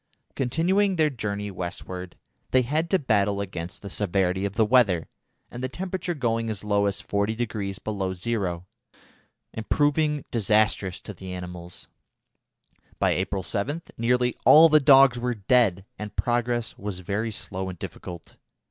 Continuing their journey westward, they had to battle against the severity of the weather, the temperature going as low as 40° below zero, and proving disastrous to the animals. By April 7 nearly all the dogs were dead, and progress was very slow and difficult.